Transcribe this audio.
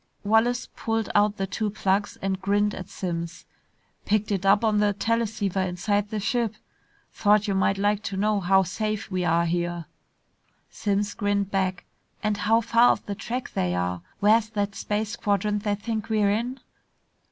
Wallace pulled out the two plugs and grinned at Simms. "Picked it up on the teleceiver inside the ship. Thought you might like to know how safe we are here." Simms grinned back, "And how far off the track they are. Where is that space quadrant they think we're in?"